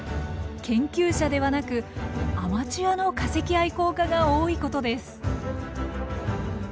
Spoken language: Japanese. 研究者ではなくアマチュアの化石愛好家が多いことです。